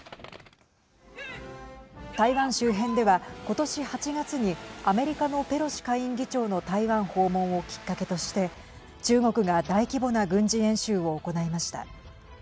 台湾周辺では今年８月にアメリカのペロシ下院議長の台湾訪問をきっかけとして中国が大規模な軍事演習を行いました。